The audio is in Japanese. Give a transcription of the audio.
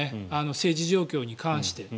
政治状況に関して。